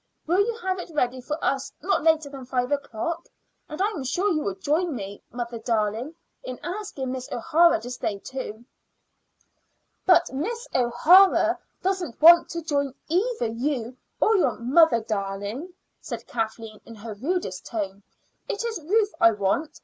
Will you have it ready for us not later than five o'clock? And I am sure you will join me, mother darling, in asking Miss O'Hara to stay, too." "But Miss O'Hara doesn't want to join either you or your 'mother darling,'" said Kathleen in her rudest tone. "It is Ruth I want.